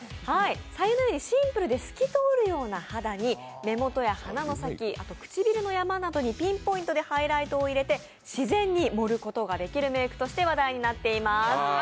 白湯のようにシンプルで透き通るような肌に目元や鼻の先、唇の山などにピンポイントでハイライトを入れて自然に盛ることができるメイクとして話題になっています。